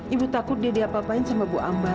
ibu takut dia diapa apain sama bu ambar